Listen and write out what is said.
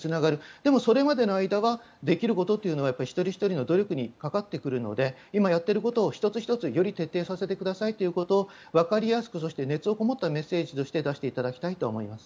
でもそれまでの間はできることというのは一人ひとりの努力にかかってくるので今やっていることを１つ１つより徹底させてくださいということをわかりやすくそして熱のこもったメッセージとして出していただきたいと思います。